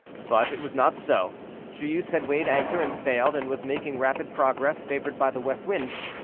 But it was not so; Joyeuse had weighed anchor and sailed, and was making rapid progress, favored by the west wind.